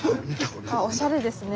おしゃれですね。